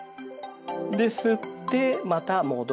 で吸ってまた戻る。